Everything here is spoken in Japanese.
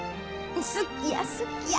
好きや好きや。